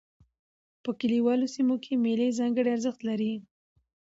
په کلیوالو سیمو کښي مېلې ځانګړی ارزښت لري.